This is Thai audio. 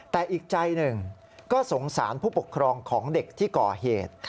แต่อีกใจหนึ่งก็สงสารผู้ปกครองของเด็กที่ก่อเหตุ